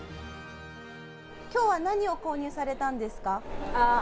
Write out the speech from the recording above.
きょうは何を購入されたんですか。